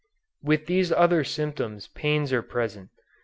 With these other symptoms pains are present.